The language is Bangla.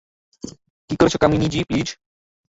কি করছো কামিনী জি, প্লিজ।